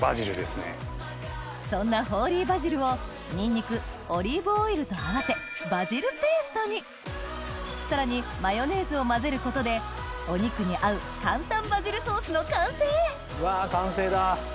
そんなホーリーバジルをニンニクオリーブオイルと合わせバジルペーストにさらにマヨネーズを混ぜることでお肉に合う簡単バジルソースの完成わ完成だ。